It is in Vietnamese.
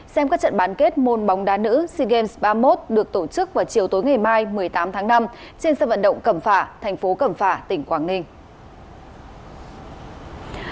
xem các trận bán kết môn bóng đá nữ sea games ba mươi một được tổ chức vào chiều tối ngày mai một mươi tám tháng năm trên sân vận động cẩm phả thành phố cẩm phả tỉnh quảng ninh